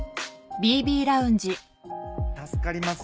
助かります。